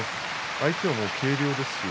相手は軽量ですし。